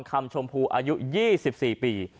คำชมพูอายุ๒๔ปี